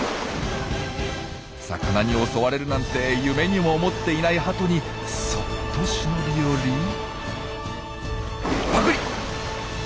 魚に襲われるなんて夢にも思っていないハトにそっと忍び寄りパクリ！